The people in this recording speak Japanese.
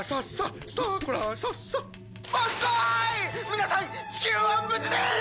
皆さん地球は無事です」